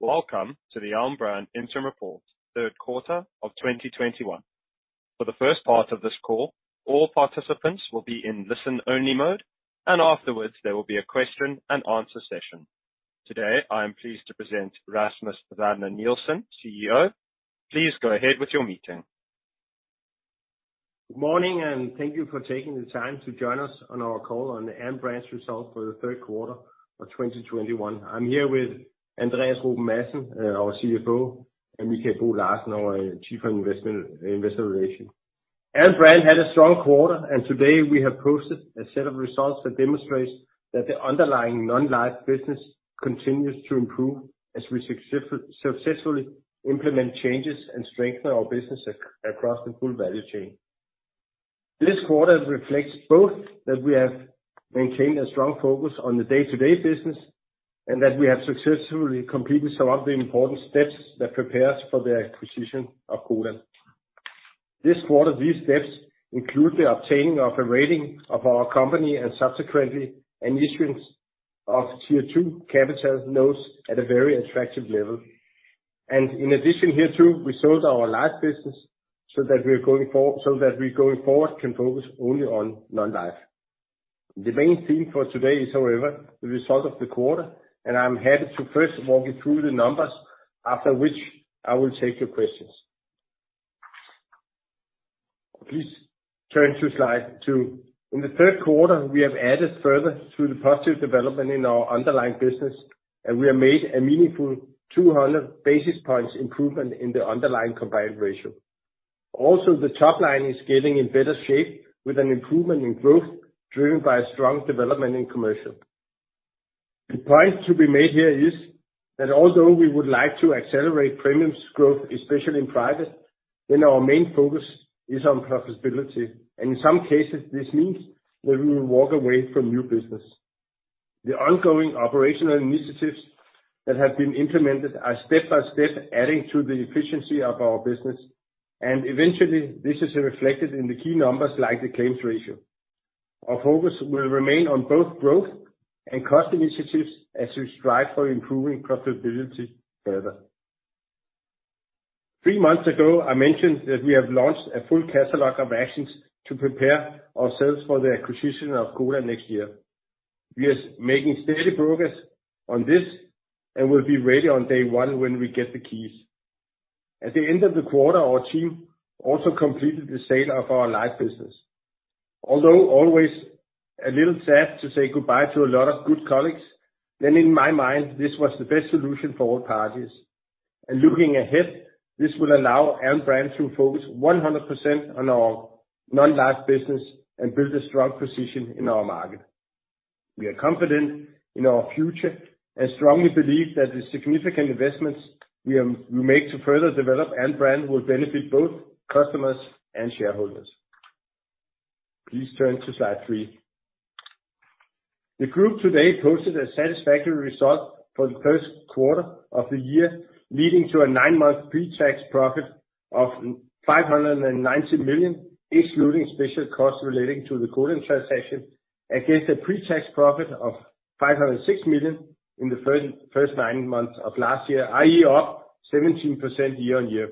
Welcome to the Alm. Brand Interim Report Third Quarter of 2021. For the first part of this call, all participants will be in listen-only mode, and afterwards there will be a question and answer session. Today, I am pleased to present Rasmus Werner Nielsen, CEO. Please go ahead with your meeting. Good morning, and thank you for taking the time to join us on our call on the Alm. Brand's results for the third quarter of 2021. I'm here with Andreas Ruben Madsen, our CFO, and Mikkel Bo Larsen, our Senior Investor Relations Officer. Alm. Brand had a strong quarter, and today we have posted a set of results that demonstrates that the underlying non-life business continues to improve as we successfully implement changes and strengthen our business across the full value chain. This quarter reflects both that we have maintained a strong focus on the day-to-day business and that we have successfully completed some of the important steps that prepare us for the acquisition of Codan. This quarter, these steps include the obtaining of a rating of our company and subsequently an issuance of Tier 2 capital notes at a very attractive level. In addition hereto, we sold our life business so that we going forward can focus only on non-life. The main theme for today is, however, the result of the quarter, and I'm happy to first walk you through the numbers, after which I will take your questions. Please turn to slide two. In the third quarter, we have added further to the positive development in our underlying business, and we have made a meaningful 200 basis points improvement in the underlying combined ratio. Also, the top line is getting in better shape with an improvement in growth driven by strong development in commercial. The point to be made here is that although we would like to accelerate premiums growth, especially in private, then our main focus is on profitability. In some cases, this means that we will walk away from new business. The ongoing operational initiatives that have been implemented are step-by-step adding to the efficiency of our business, and eventually, this is reflected in the key numbers like the claims ratio. Our focus will remain on both growth and cost initiatives as we strive for improving profitability further. Three months ago, I mentioned that we have launched a full catalog of actions to prepare ourselves for the acquisition of Codan next year. We are making steady progress on this and will be ready on day one when we get the keys. At the end of the quarter, our team also completed the sale of our life business. Although always a little sad to say goodbye to a lot of good colleagues, then in my mind this was the best solution for all parties. Looking ahead, this will allow Alm. Brand to focus 100% on our non-life business and build a strong position in our market. We are confident in our future and strongly believe that the significant investments we have, we make to further develop Alm. Brand will benefit both customers and shareholders. Please turn to slide three. The group today posted a satisfactory result for the first quarter of the year, leading to a nine-month pre-tax profit of 590 million, excluding special costs relating to the Codan transaction, against a pre-tax profit of 506 million in the first nine months of last year, i.e. up 17% year on year.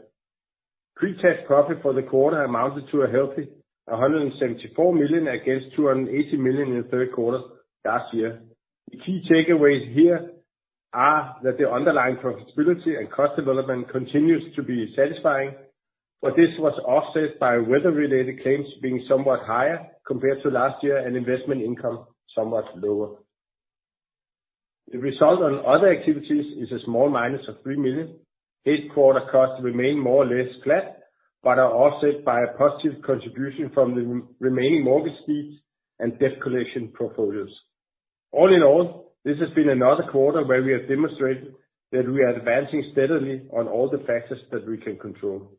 Pre-tax profit for the quarter amounted to a healthy 174 million against 280 million in the third quarter last year. The key takeaways here are that the underlying profitability and cost development continues to be satisfying, but this was offset by weather-related claims being somewhat higher compared to last year and investment income somewhat lower. The result on other activities is a small minus of 3 million. Headquarter costs remain more or less flat, but are offset by a positive contribution from the remaining mortgage fees and debt collection portfolios. All in all, this has been another quarter where we have demonstrated that we are advancing steadily on all the factors that we can control.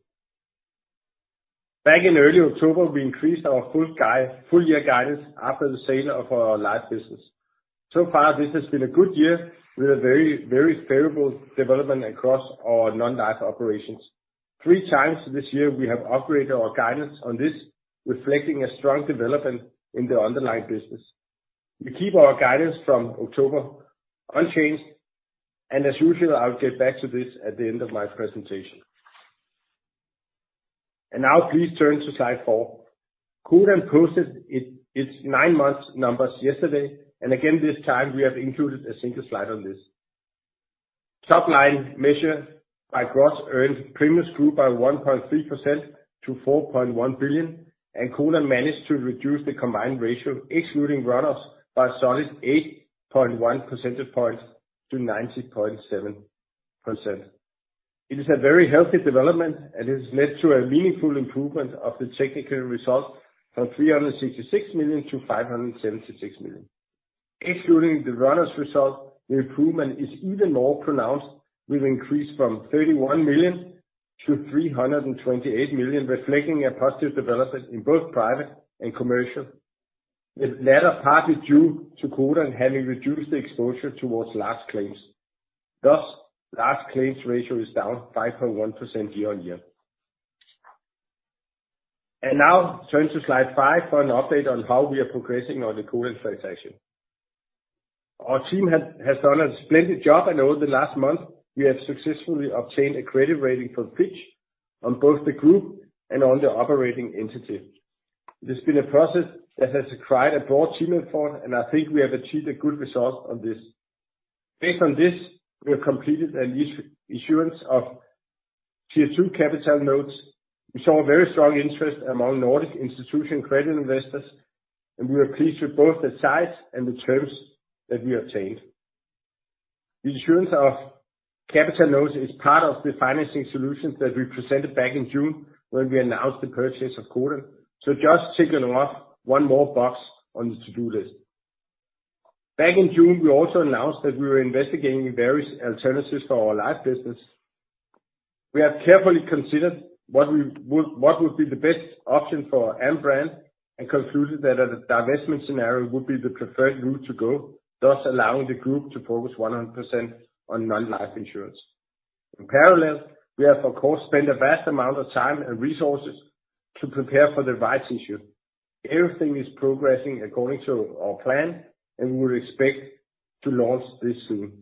Back in early October, we increased our full guide, full year guidance after the sale of our life business. So far, this has been a good year with a very, very favorable development across our non-life operations. 3x this year we have upgraded our guidance on this, reflecting a strong development in the underlying business. We keep our guidance from October unchanged, and as usual, I'll get back to this at the end of my presentation. Now please turn to slide four. Codan posted its nine months numbers yesterday, and again this time we have included a single slide on this. Top line measured by gross earned premiums grew by 1.3% to 4.1 billion, and Codan managed to reduce the combined ratio, excluding runoffs, by a solid 8.1% points to 90.7%. It is a very healthy development and has led to a meaningful improvement of the technical result from 366 million to 576 million. Excluding the run-offs result, the improvement is even more pronounced, with increase from 31 million to 328 million, reflecting a positive development in both private and commercial, with latter partly due to Codan having reduced the exposure towards large claims. Thus, large claims ratio is down 5.1% year-on-year. Now turn to slide five for an update on how we are progressing on the Codan transaction. Our team has done a splendid job, and over the last month, we have successfully obtained a credit rating from Fitch on both the group and on the operating entity. It has been a process that has required a broad team effort, and I think we have achieved a good result on this. Based on this, we have completed an issuance of Tier 2 capital notes. We saw a very strong interest among Nordic institution credit investors, and we are pleased with both the size and the terms that we obtained. The issuance of capital notes is part of the financing solutions that we presented back in June when we announced the purchase of Codan. Just ticking off one more box on the to-do list. Back in June, we also announced that we were investigating various alternatives for our life business. We have carefully considered what would be the best option for our brand, and concluded that a divestment scenario would be the preferred route to go, thus allowing the group to focus 100% on non-life insurance. In parallel, we have of course spent a vast amount of time and resources to prepare for the rights issue. Everything is progressing according to our plan, and we would expect to launch this soon.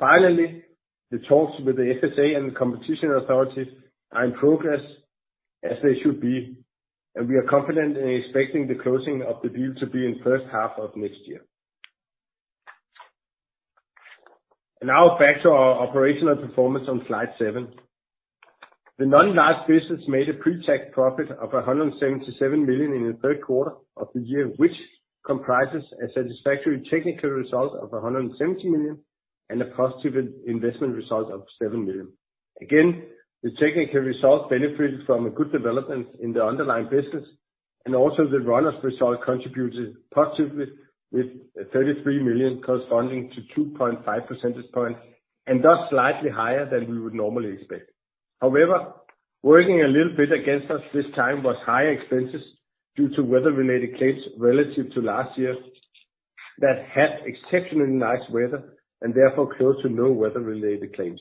Finally, the talks with the FSA and the competition authorities are in progress as they should be, and we are confident in expecting the closing of the deal to be in first half of next year. Now back to our operational performance on slide seven. The non-life business made a pretax profit of 177 million in the third quarter of the year, which comprises a satisfactory technical result of 170 million and a positive investment result of 7 million. Again, the technical result benefited from a good development in the underlying business, and also the run-off result contributed positively with 33 million corresponding to 2.5% points, and thus slightly higher than we would normally expect. However, working a little bit against us this time was higher expenses due to weather-related claims relative to last year that had exceptionally nice weather and therefore close to no weather-related claims.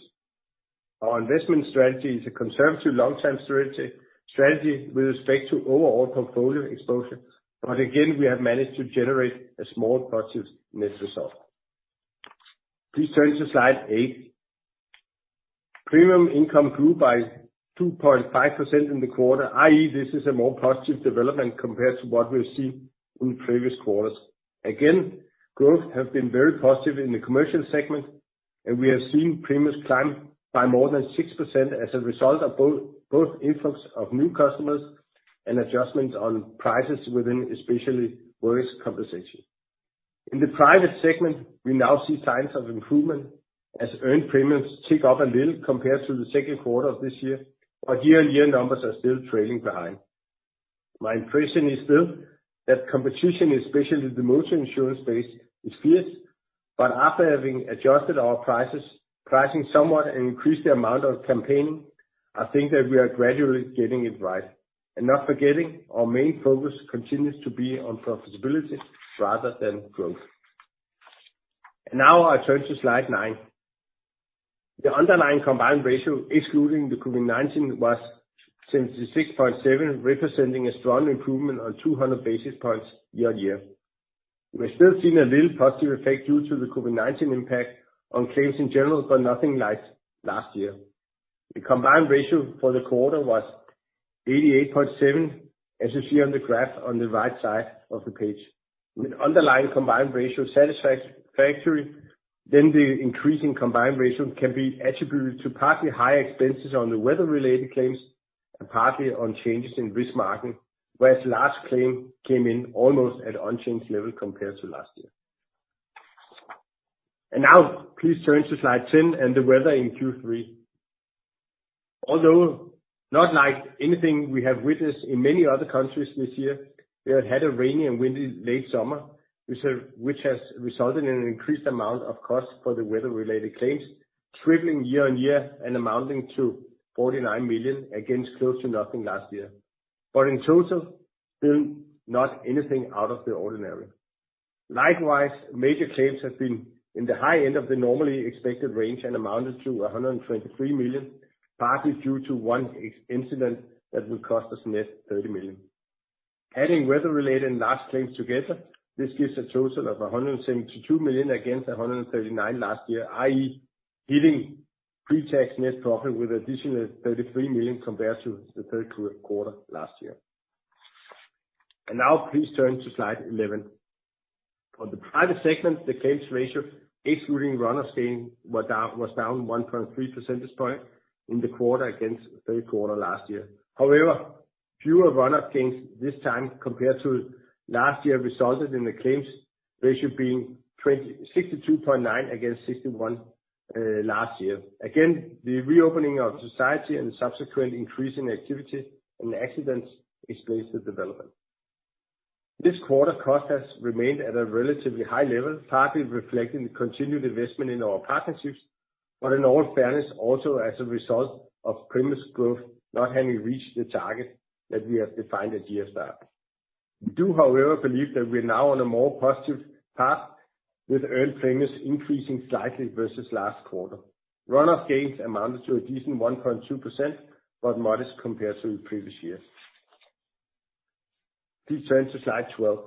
Our investment strategy is a conservative long-term strategy with respect to overall portfolio exposure. Again, we have managed to generate a small positive net result. Please turn to slide eight. Premium income grew by 2.5% in the quarter, i.e., this is a more positive development compared to what we're seeing in previous quarters. Again, growth has been very positive in the commercial segment, and we have seen premiums climb by more than 6% as a result of both influx of new customers and adjustments on prices within especially workers' compensation. In the private segment, we now see signs of improvement as earned premiums tick up a little compared to the second quarter of this year, but year-on-year numbers are still trailing behind. My impression is still that competition, especially the motor insurance space, is fierce. After having adjusted our prices, pricing somewhat and increased the amount of campaigning, I think that we are gradually getting it right. Not forgetting our main focus continues to be on profitability rather than growth. Now I turn to slide 9. The underlying combined ratio excluding the COVID-19 was 76.7, representing a strong improvement on 200 basis points year-on-year. We're still seeing a little positive effect due to the COVID-19 impact on claims in general, but nothing like last year. The combined ratio for the quarter was 88.7%, as you see on the graph on the right side of the page. With underlying combined ratio satisfactory, then the increasing combined ratio can be attributed to partly higher expenses on the weather-related claims and partly on changes in risk margin, whereas large claims came in almost at unchanged level compared to last year. Now please turn to slide 10 and the weather in Q3. Although not like anything we have witnessed in many other countries this year, we have had a rainy and windy late summer, which has resulted in an increased amount of cost for the weather-related claims, tripling year-over-year and amounting to 49 million against close to nothing last year. In total, still not anything out of the ordinary. Likewise, major claims have been in the high end of the normally expected range and amounted to 123 million, partly due to one one-off incident that will cost us net 30 million. Adding weather-related and large claims together, this gives a total of 172 million against 139 million last year, i.e. hitting pretax net profit with additional 33 million compared to the third quarter last year. Now please turn to slide 11. On the private segment, the claims ratio excluding run-off gains was down 1.3% points in the quarter against third quarter last year. However, fewer run-off gains this time compared to last year resulted in the claims ratio being 62.9% against 61% last year. Again, the reopening of society and subsequent increase in activity and accidents explains the development. This quarter cost has remained at a relatively high level, partly reflecting the continued investment in our partnerships, but in all fairness also as a result of premium growth not having reached the target that we have defined at year start. We do, however, believe that we are now on a more positive path, with earned premiums increasing slightly versus last quarter. Run-off gains amounted to a decent 1.2%, but modest compared to previous years. Please turn to slide 12.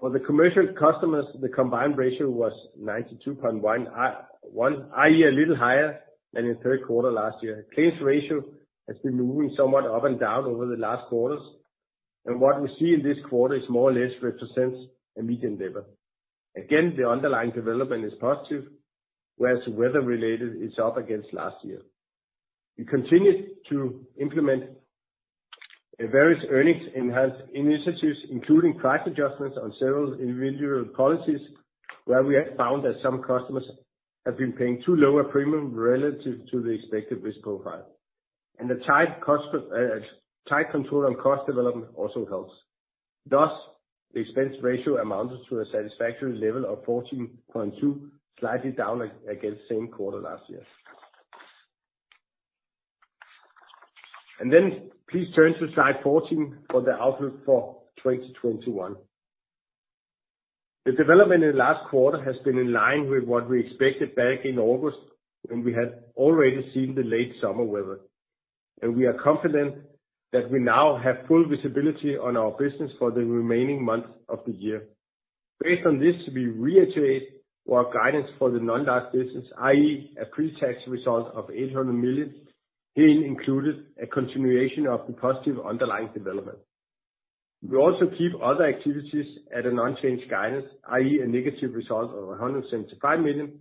For the commercial customers, the combined ratio was 92.1, i.e., a little higher than in third quarter last year. Claims ratio has been moving somewhat up and down over the last quarters, and what we see in this quarter is more or less represents a medium level. Again, the underlying development is positive, whereas weather-related is up against last year. We continued to implement various earnings-enhancing initiatives, including price adjustments on several individual policies, where we have found that some customers have been paying too low a premium relative to the expected risk profile. The tight control on cost development also helps. Thus, the expense ratio amounted to a satisfactory level of 14.2%, slightly down against same quarter last year. Please turn to slide 14 for the outlook for 2021. The development in the last quarter has been in line with what we expected back in August, when we had already seen the late summer weather. We are confident that we now have full visibility on our business for the remaining months of the year. Based on this, we reiterate our guidance for the non-life business, i.e., a pre-tax result of 800 million, herein included a continuation of the positive underlying development. We also keep other activities at an unchanged guidance, i.e., a negative result of 175 million,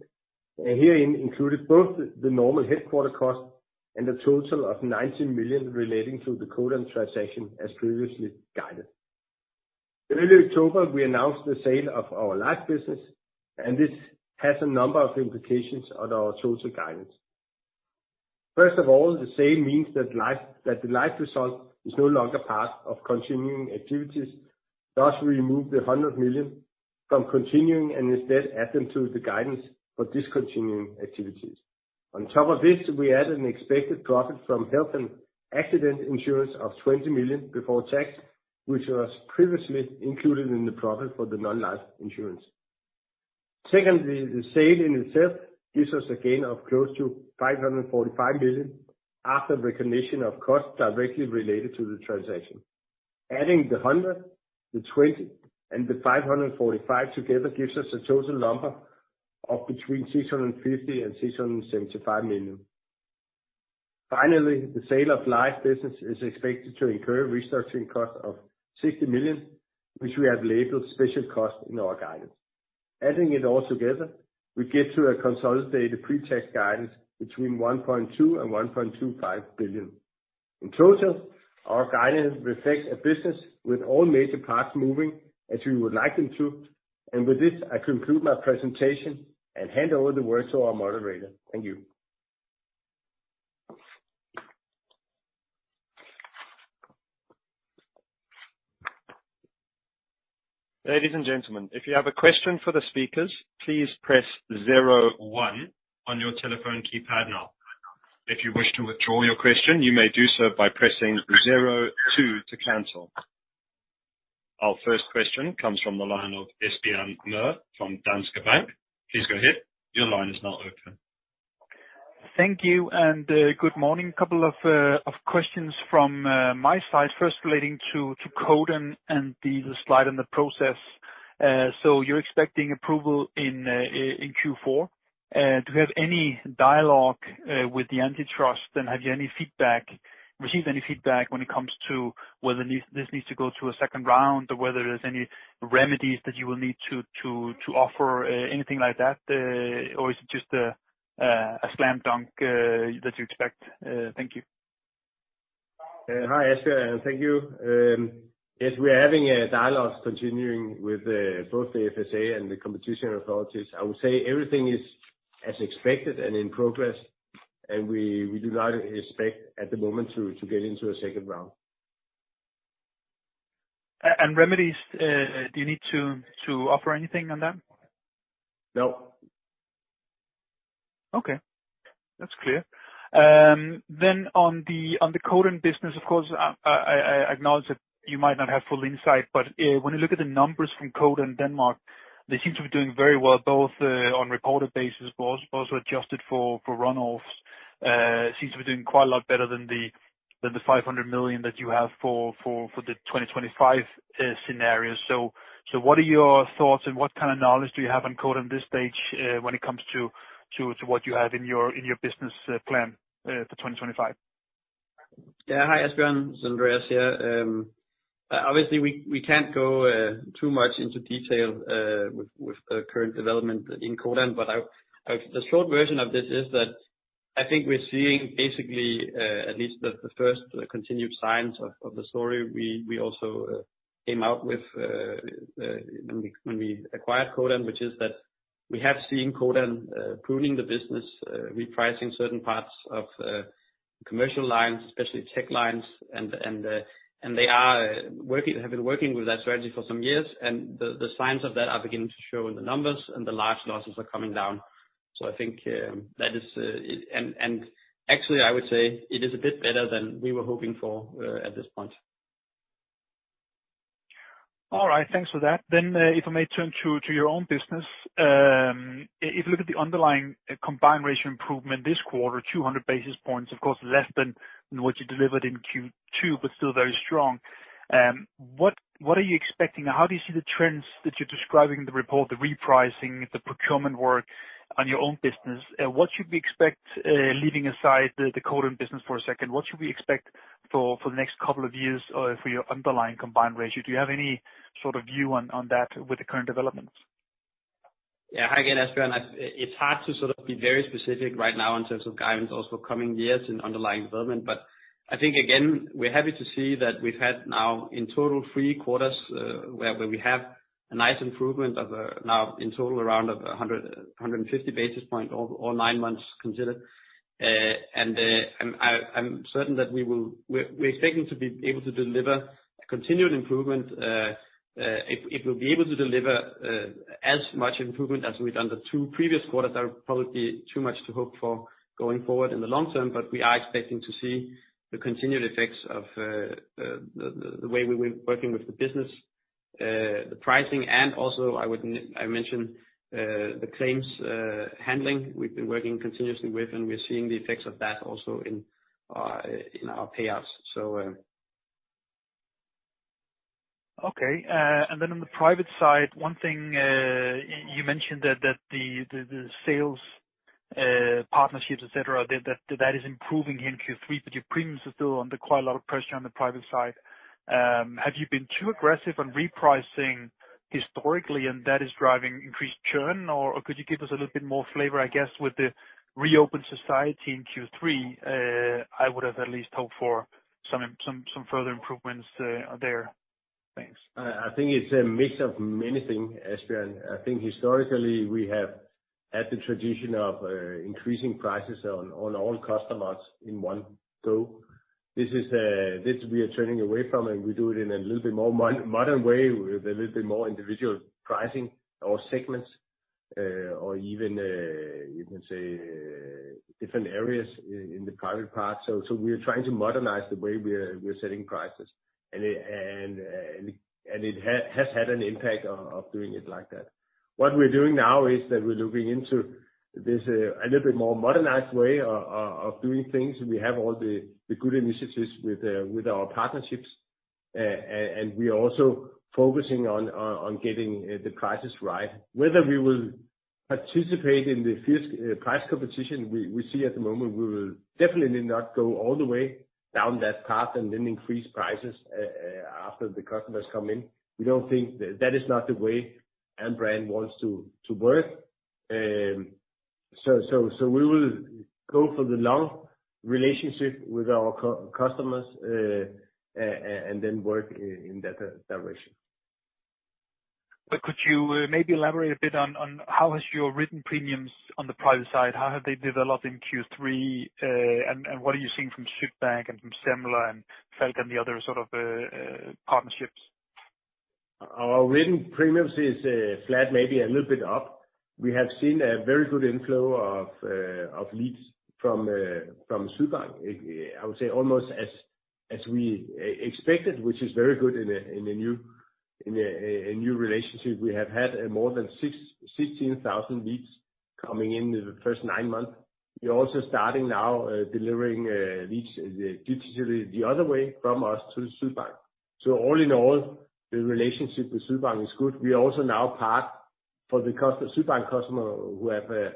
and herein included both the normal headquarters costs and a total of 90 million relating to the Codan transaction as previously guided. Early October, we announced the sale of our life business, and this has a number of implications on our total guidance. First of all, the sale means that the life result is no longer part of continuing activities, thus we remove the 100 million from continuing and instead add them to the guidance for discontinuing activities. On top of this, we add an expected profit from health and accident insurance of 20 million before tax, which was previously included in the profit for the non-life insurance. Secondly, the sale in itself gives us a gain of close to 545 million after recognition of costs directly related to the transaction. Adding the 100, the 20, and the 545 together gives us a total number of between 650 million and 675 million. Finally, the sale of life business is expected to incur restructuring costs of 60 million, which we have labeled special costs in our guidance. Adding it all together, we get to a consolidated pre-tax guidance between 1.2 billion and 1.25 billion. In total, our guidance reflects a business with all major parts moving as we would like them to. With this, I conclude my presentation and hand over the words to our moderator. Thank you. Our first question comes from the line of Asbjørn Mørk from Danske Bank. Please go ahead. Your line is now open. Thank you, good morning. Couple of questions from my side, first relating to Codan and the slide and the process. So you're expecting approval in Q4. Do you have any dialogue with the antitrust? And have you received any feedback when it comes to whether this needs to go to a second round, or whether there's any remedies that you will need to offer, anything like that? Or is it just a slam dunk that you expect? Thank you. Hi Asbjørn, and thank you. Yes, we are having a dialogue continuing with both the FSA and the competition authorities. I would say everything is as expected and in progress. We do not expect at the moment to get into a second round. Remedies, do you need to offer anything on that? No. Okay. That's clear. On the Codan business, of course, I acknowledge that you might not have full insight, but when you look at the numbers from Codan Denmark, they seem to be doing very well, both on recorded basis, but also adjusted for run-offs. Seems to be doing quite a lot better than the 500 million that you have for the 2025 scenario. What are your thoughts, and what kind of knowledge do you have on Codan at this stage when it comes to what you have in your business plan for 2025? Yeah. Hi Asbjørn, it's Andreas here. Obviously we can't go too much into detail with the current development in Codan. But the short version of this is that I think we're seeing basically at least the first continued signs of the story. We also came out with when we acquired Codan, which is that we have seen Codan pruning the business, repricing certain parts of commercial lines, especially technical lines, and they have been working with that strategy for some years. The signs of that are beginning to show in the numbers, and the large losses are coming down. I think that is it and actually I would say it is a bit better than we were hoping for at this point. All right. Thanks for that. If I may turn to your own business. If you look at the underlying combined ratio improvement this quarter, 200 basis points, of course less than what you delivered in Q2, but still very strong. What are you expecting? How do you see the trends that you're describing in the report, the repricing, the procurement work on your own business? What should we expect, leaving aside the Codan business for a second, what should we expect for the next couple of years, for your underlying combined ratio? Do you have any sort of view on that with the current developments? Yeah. Hi again, Asbjørn. It's hard to sort of be very specific right now in terms of guidance also coming years in underlying development. I think again, we're happy to see that we've had now in total three quarters where we have a nice improvement of now in total around 150 basis points all nine months considered. I'm certain that we're expecting to be able to deliver continued improvement. If we'll be able to deliver as much improvement as we've done the two previous quarters are probably too much to hope for going forward in the long term. We are expecting to see the continued effects of the way we've been working with the business, the pricing, and also I mention the claims handling we've been working continuously with, and we're seeing the effects of that also in our payouts. Okay. On the private side, one thing, you mentioned that the sales partnerships, et cetera, that is improving in Q3, but your premiums are still under quite a lot of pressure on the private side. Have you been too aggressive on repricing historically, and that is driving increased churn? Or could you give us a little bit more flavor, I guess, with the reopened society in Q3? I would have at least hoped for some further improvements there. Thanks. I think it's a mix of many things, Asbjørn. I think historically we have had the tradition of increasing prices on all customers in one go. This we are turning away from, and we do it in a little bit more modern way, with a little bit more individual pricing or segments, or even you can say different areas in the private part. We are trying to modernize the way we're setting prices. It has had an impact of doing it like that. What we're doing now is that we're looking into this, a little bit more modernized way of doing things. We have all the good initiatives with our partnerships, and we are also focusing on getting the prices right. Whether we will participate in the fierce price competition we see at the moment, we will definitely not go all the way down that path and then increase prices after the customers come in. We don't think that is not the way Alm. Brand wants to work. We will go for the long relationship with our customers and then work in that direction. Could you maybe elaborate a bit on how your written premiums on the private side have developed in Q3, and what are you seeing from Sydbank and from Semler and Falck and the other sort of partnerships? Our written premiums is flat, maybe a little bit up. We have seen a very good inflow of leads from Sydbank. I would say almost as we expected, which is very good in a new relationship. We have had more than 16,000 leads coming in the first nine months. We're also starting now delivering leads digitally the other way from us to Sydbank. All in all, the relationship with Sydbank is good. We also now, for the Sydbank customer who have an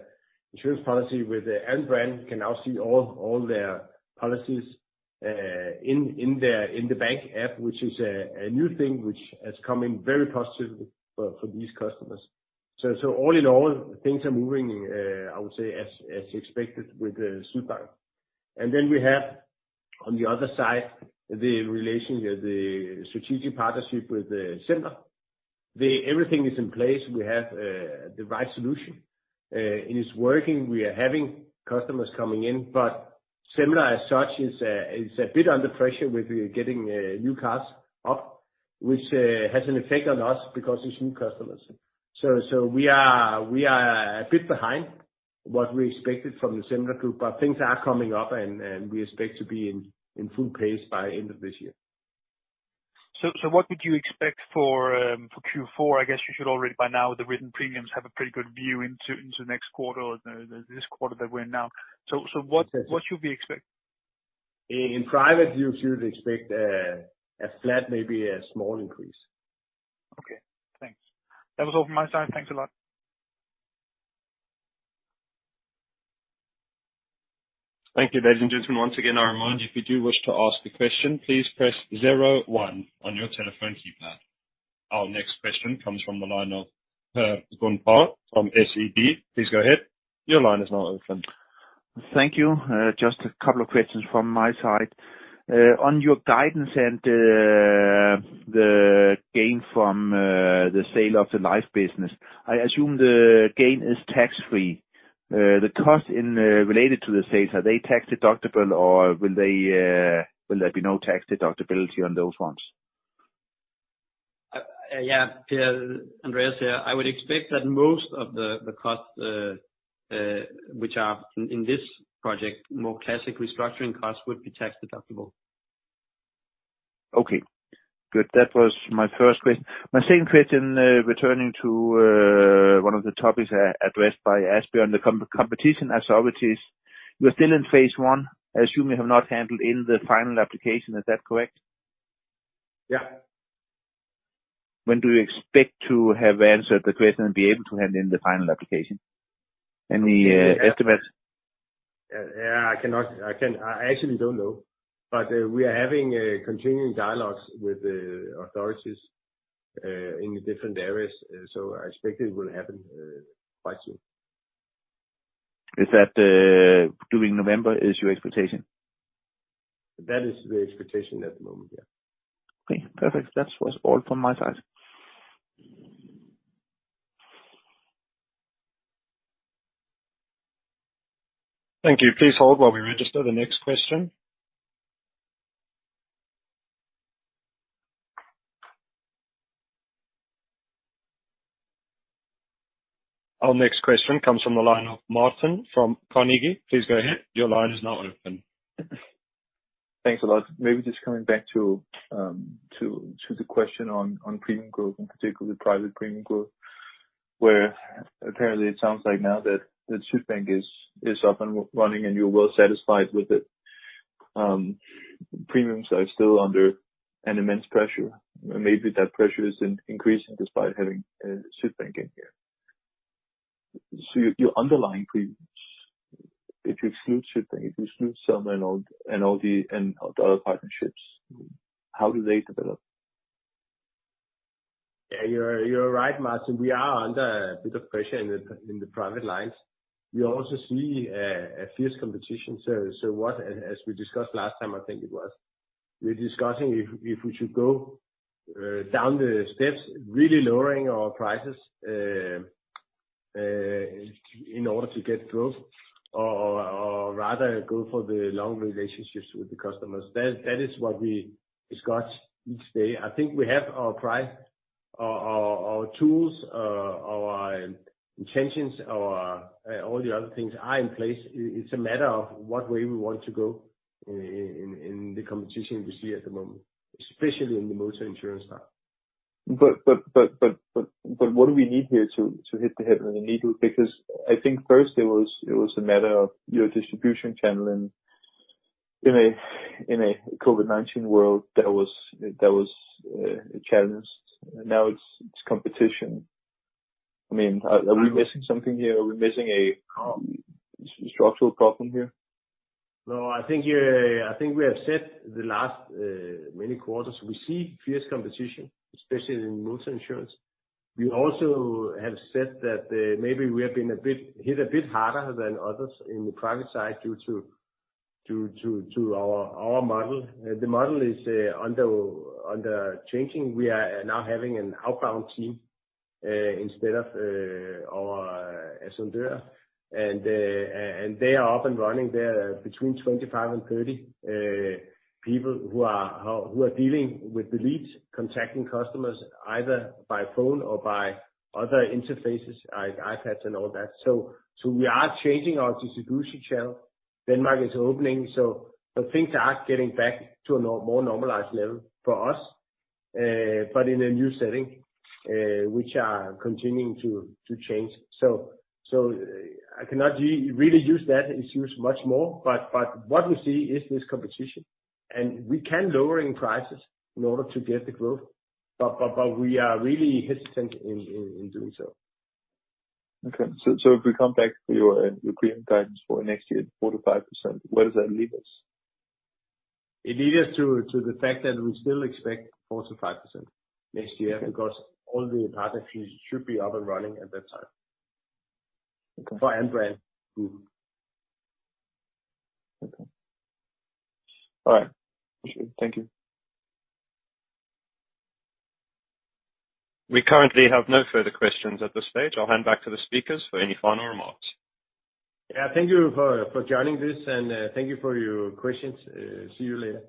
insurance policy with Alm. Brand, can now see all their policies in the bank app, which is a new thing which has come in very positive for these customers. All in all, things are moving, I would say as expected with Sydbank. We have on the other side, the relationship, the strategic partnership with Semler. Everything is in place. We have the right solution. It's working. We are having customers coming in, but Semler as such is a bit under pressure with getting new cars up, which has an effect on us because it's new customers. We are a bit behind what we expected from the Semler Gruppen, but things are coming up and we expect to be in full pace by end of this year. What would you expect for Q4? I guess you should already by now the written premiums have a pretty good view into next quarter or this quarter that we're in now. What should we expect? In private, you should expect a flat, maybe a small increase. Okay, thanks. That was all from my side. Thanks a lot. Thank you, ladies and gentlemen. Once again, I remind you, if you do wish to ask a question, please press zero one on your telephone keypad. Our next question comes from the line of Per Grønborg from SEB. Please go ahead. Your line is now open. Thank you. Just a couple of questions from my side. On your guidance and the gain from the sale of the life business, I assume the gain is tax free. The costs incurred related to the sales, are they tax deductible or will there be no tax deductibility on those ones? Yeah, Per. Andreas here. I would expect that most of the cost, which are in this project, more classic restructuring costs would be tax-deductible. Okay. Good. That was my first question. My second question, returning to one of the topics addressed by Asbjørn Mørk on the competition authorities. You are still in phase one. I assume you have not handed in the final application. Is that correct? Yeah. When do you expect to have answered the question and be able to hand in the final application? Any estimates? Yeah. I actually don't know. We are having continuing dialogues with the authorities in the different areas. I expect it will happen quite soon. Is that, during November is your expectation? That is the expectation at the moment, yeah. Okay, perfect. That was all from my side. Thank you. Please hold while we register the next question. Our next question comes from the line of Martson from Carnegie. Please go ahead. Your line is now open. Thanks a lot. Maybe just coming back to the question on premium growth, in particular the private premium growth. Where apparently it sounds like now that the Sydbank is up and running and you're well satisfied with it. Premiums are still under an immense pressure. Maybe that pressure is increasing despite having Sydbank in here. Your underlying premiums, if you exclude Sydbank, some and all, and all the other partnerships, how do they develop? Yeah, you're right, Martson. We are under a bit of pressure in the private lines. We also see a fierce competition. As we discussed last time, I think it was. We're discussing if we should go down the steps, really lowering our prices in order to get growth or rather go for the long relationships with the customers. That is what we discuss each day. I think we have our price, our tools, our intentions, all the other things are in place. It's a matter of what way we want to go in the competition we see at the moment, especially in the motor insurance part. What do we need here to thread the needle? Because I think first it was a matter of your distribution channel in a COVID-19 world that was a challenge. Now it's competition. I mean, are we missing something here? Are we missing a structural problem here? No, I think here, I think we have said the last many quarters, we see fierce competition, especially in motor insurance. We also have said that, maybe we have been a bit hit a bit harder than others in the private side due to our model. The model is under changing. We are now having an outbound team instead of our Esunder, and they are up and running. They're between 25 and 30 people who are dealing with the leads, contacting customers either by phone or by other interfaces, iPads and all that. So we are changing our distribution channel. Denmark is opening, so things are getting back to a more normalized level for us. But in a new setting, which are continuing to change. I cannot really use that excuse much more. What we see is this competition, and we're lowering prices in order to get the growth. We are really hesitant in doing so. If we come back to your premium guidance for next year, 4%-5%, where does that leave us? It led us to the fact that we still expect 4%-5% next year. Okay. Because all the other fees should be up and running at that time. Okay. For Andreas. Mm-hmm. Okay. All right. Appreciate it. Thank you. We currently have no further questions at this stage. I'll hand back to the speakers for any final remarks. Yeah. Thank you for joining this, and thank you for your questions. See you later.